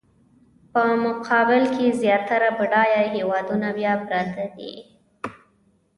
په مقابل کې زیاتره بډایه هېوادونه بیا پراته دي.